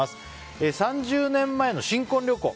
３０年前の新婚旅行。